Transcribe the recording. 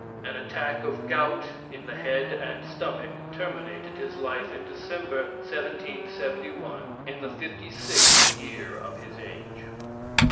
An attack of gout in the head and stomach terminated his life in December, 1771, in the fifty sixth year of his age.